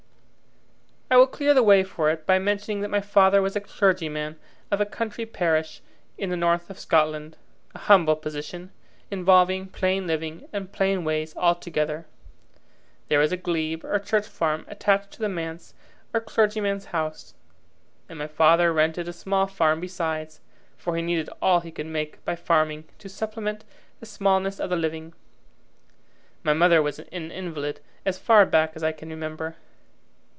I will clear the way for it by mentioning that my father was the clergyman of a country parish in the north of Scotland a humble position, involving plain living and plain ways altogether. There was a glebe or church farm attached to the manse or clergyman's house, and my father rented a small farm besides, for he needed all he could make by farming to supplement the smallness of the living. My mother was an invalid as far back as I can remember.